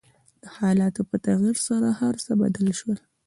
د حالاتو په تغير سره هر څه بدل شول .